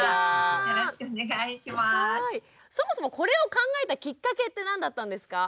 そもそもこれを考えたきっかけって何だったんですか？